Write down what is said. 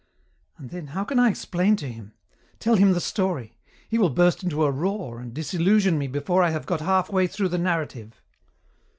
And then, how can I explain to him? Tell him the story? He will burst into a roar and disillusion me before I have got halfway through the narrative."